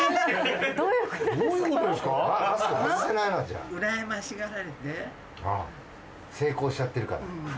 ああ成功しちゃってるから。